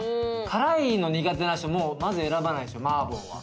辛いの苦手な人まず選ばないでしょ麻婆は。